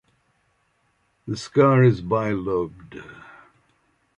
The scar is bilobed.